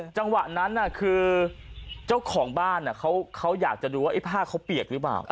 จังหวะนั้นคือเจ้าของบ้านเขาอยากจะดูว่าผ้าเขาเปียกหรือเปล่า